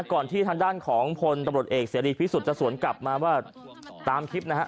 ก่อนที่ทางด้านของพลตำรวจเอกเสรีพิสุทธิ์จะสวนกลับมาว่าตามคลิปนะฮะ